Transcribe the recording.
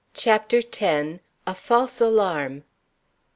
CHAPTER X. A FALSE ALARM.